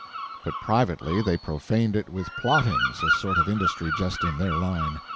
But privately they profaned it with plottings, a sort of industry just in their line.